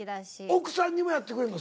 奥さんにもやってくれるの？